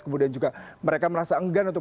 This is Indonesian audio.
kemudian juga mereka merasa enggan untuk